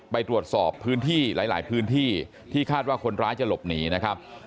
ไปตรวจสอบพื้นที่หลายพื้นที่ที่คาดว่าคนร้ายจะหลบหนีนะครับ